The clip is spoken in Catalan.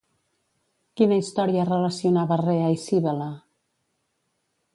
Quina història relacionava Rea i Cíbele?